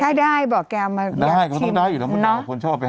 ใช่ได้บอกแกเอามาชิม